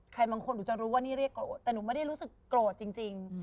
บางคนหนูจะรู้ว่านี่เรียกโกรธแต่หนูไม่ได้รู้สึกโกรธจริง